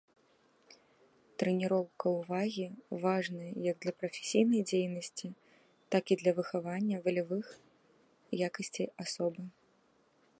Трэніроўка ўвагі важная як для прафесійнай дзейнасці, так і для выхавання валявых якасцей асобы.